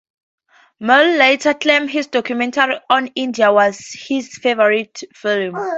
Malle later claimed his documentary on India was his favorite film.